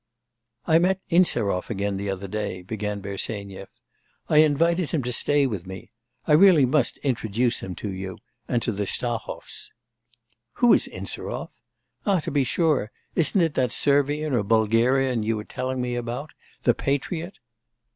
'I met Insarov again the other day,' began Bersenyev. 'I invited him to stay with me; I really must introduce him to you and to the Stahovs.' 'Who is Insarov? Ah, to be sure, isn't it that Servian or Bulgarian you were telling me about? The patriot?